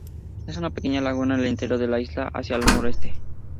Hay una pequeña laguna en el interior de la isla hacia el noreste.